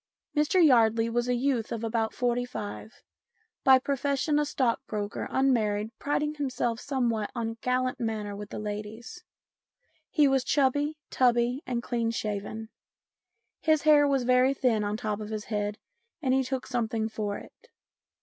Mr Yardley was a youth of about forty five, by profession a stockbroker, unmarried, priding him self somewhat on a gallant manner with the ladies. He was chubby, tubby, and clean shaven. His hair was very thin on the top of his head and he took something for it.